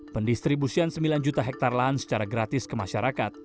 pendistribusian sembilan juta hektare lahan secara gratis ke masyarakat